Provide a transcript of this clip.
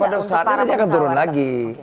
pada saatnya nanti akan turun lagi